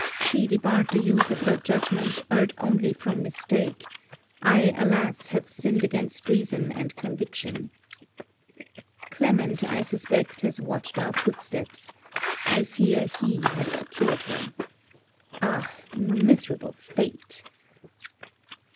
She, debarred the use of her judgment, erred only from mistake; I, alas! have sinned against reason and conviction! Clement, I suspect, has watched our footsteps. I fear he has secured her. Ah, miserable fate!